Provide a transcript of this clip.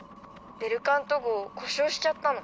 ☎ベルカント号故障しちゃったの。